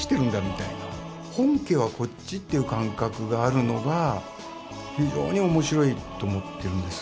本家はこっちという感覚があるのが非常に面白いと思ってるんです。